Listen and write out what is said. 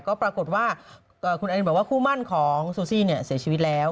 ก็ปรากฏว่าคุณแอนบอกว่าคู่มั่นของซูซี่เสียชีวิตแล้ว